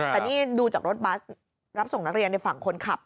แต่นี่ดูจากรถบัสรับส่งนักเรียนในฝั่งคนขับ